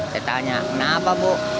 saya tanya kenapa bu